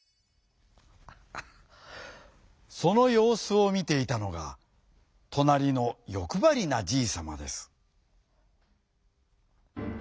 そのようすをみていたのがとなりのよくばりなじいさまです。